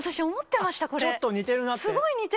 ちょっと似てるなって？